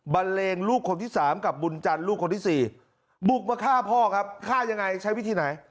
เลงลูกคนที่๓กับบุญจันทร์ลูกคนที่๔บุกมาฆ่าพ่อครับฆ่ายังไงใช้วิธีไหน